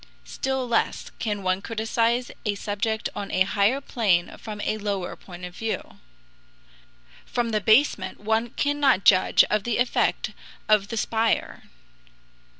Still less can one criticise a subject on a higher plane from a lower point of view. From the basement one cannot judge of the effect of the spire.